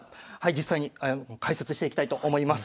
実際に解説していきたいと思います。